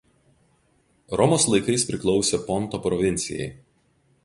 Romos laikais priklausė Ponto provincijai.